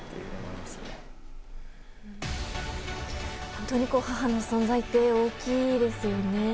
本当に母の存在って大きいですよね。